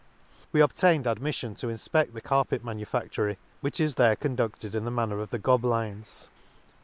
We obtained admiihon to infpedt the carpet manufac tory, which is there conducted in the manner of the Goblines.